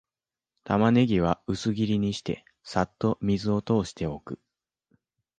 タマネギは薄切りにして、さっと水を通しておく